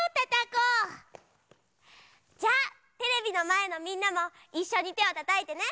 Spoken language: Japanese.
じゃあテレビのまえのみんなもいっしょにてをたたいてね！